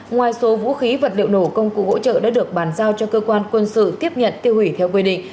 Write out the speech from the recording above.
ngoài số vũ khí vật liệu nổ công cụ hỗ trợ đã được bàn giao cho cơ quan quân sự tiếp nhận tiêu hủy theo quy định